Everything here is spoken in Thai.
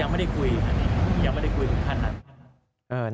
ยังไม่ได้คุยยังไม่ได้คุยคุณท่านนะ